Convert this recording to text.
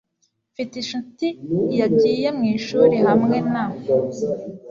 Mfite inshuti yagiye mwishuri hamwe na .